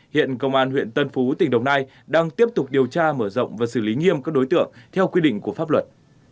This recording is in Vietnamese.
hiện công an huyện tân phú tỉnh đồng nai đang tiếp tục điều tra mở rộng và xử lý nghiêm các đối tượng theo quy định của pháp luật